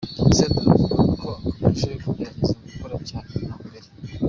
Senderi avuga ko akomeje kugerageza gukora cyane nka mbere.